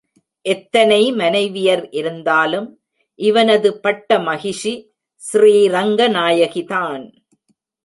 எத்தனை மனைவியர் இருந்தாலும் இவனது பட்டமகிஷி ஸ்ரீரங்கநாயகிதான்.